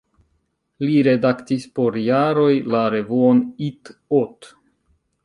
Li redaktis por jaroj la revuon "Itt-Ott".